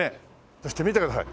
そして見てください。